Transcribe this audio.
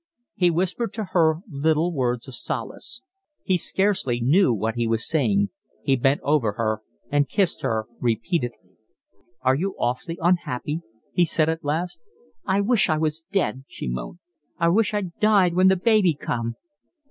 He whispered to her little words of solace. He scarcely knew what he was saying, he bent over her and kissed her repeatedly. "Are you awfully unhappy?" he said at last. "I wish I was dead," she moaned. "I wish I'd died when the baby come."